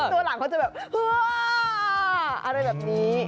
ตัวหลานเขาจะแบบฮืออะไรแบบนี้